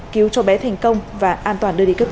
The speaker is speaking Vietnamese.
cứu cho bé thành công và an toàn đưa đi cấp cứu